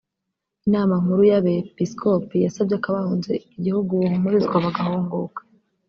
Inama nkuru y’Abepiskopi yasabye ko abahunze igihugu bohumurizwa bagahunguka